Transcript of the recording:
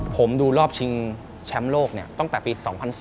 ผมดูรอบชิงแชมป์โลกตั้งแต่ปี๒๐๐๔